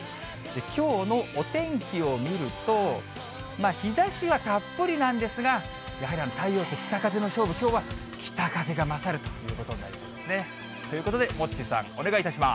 きょうのお天気を見ると、日ざしはたっぷりなんですが、やはり太陽と北風の勝負、きょうは北風が勝るということになりそうですね。ということで、モッチーさん、お願いいたします。